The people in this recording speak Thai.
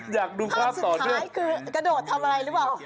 อยากดูภาพต่อด้วยภาพสุดท้ายคือกระโดดทำอะไรหรือเปล่า